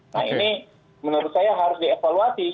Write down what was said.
nah ini menurut saya harus dievaluasi